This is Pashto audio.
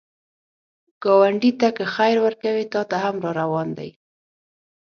ګاونډي ته که خیر ورکوې، تا ته هم راروان دی